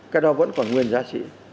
cái đó vẫn còn nguyên giá trị